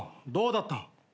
どうだった？